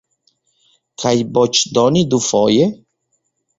Kaj voĉdoni dufoje?